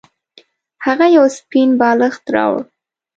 هغه یو سپین بالښت راوړ.